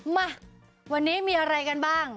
มาวันนี้มีอะไรกันบ้าง